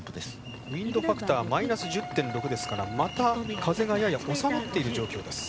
ウインドファクターマイナス１０．６ですからまた風がやや収まっている状況です。